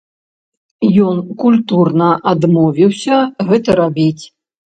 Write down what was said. Ён культурна адмовіўся гэта рабіць.